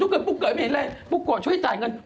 เกิดปุ๊กเกิดไม่เห็นอะไรปุ๊กโกะช่วยจ่ายเงิน